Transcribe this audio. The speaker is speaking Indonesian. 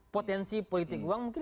potensi politik uang mungkin